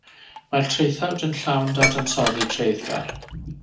Mae'r traethawd yn llawn dadansoddi treiddgar.